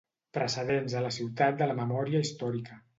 Precedents a la ciutat de la memòria històrica.